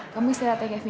kamu istirahat ya kevin ya